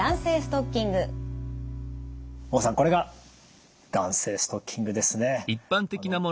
孟さんこれが弾性ストッキングですね。